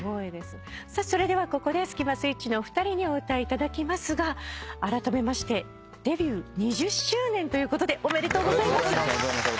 それではここでスキマスイッチのお二人にお歌いいただきますがあらためましてデビュー２０周年ということでおめでとうございます。